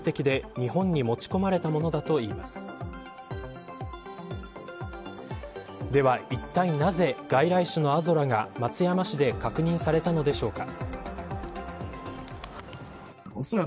では、いったいなぜ外来種のアゾラが松山市で確認されたのでしょうか。